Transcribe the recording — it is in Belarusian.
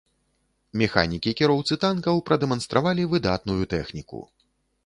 Механікі-кіроўцы танкаў прадэманстравалі выдатную тэхніку.